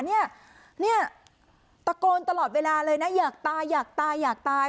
เนี่ยตะโกนตลอดเวลาเลยนะอยากตายอยากตายอยากตาย